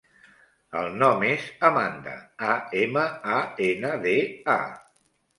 El nom és Amanda: a, ema, a, ena, de, a.